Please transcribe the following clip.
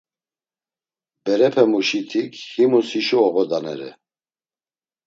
Berepemuşitik himus hişo oğodanere.